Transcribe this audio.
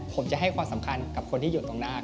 ผมจะให้ความสำคัญกับคนที่อยู่ตรงหน้า